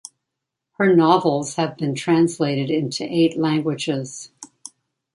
Her novels have been translated into eight languages.